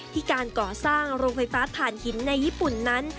การก่อสร้างโรงไฟฟ้าฐานหินในญี่ปุ่นนั้น